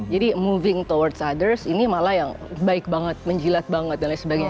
jadi moving towards others ini malah yang baik banget menjilat banget dan lain sebagainya